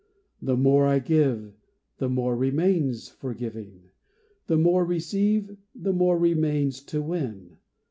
The more I give, the more remains for giving, The more receive, the more remains to win.